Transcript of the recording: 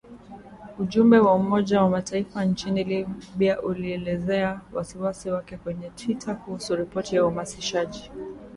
Ujumbe wa Umoja wa Mataifa nchini Libya ulielezea wasiwasi wake kwenye twita kuhusu ripoti ya uhamasishaji